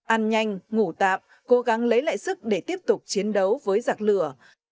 ăn nhanh ngủ tạm cố gắng lấy lại sức để tiếp tục chiến đấu với giặc lửa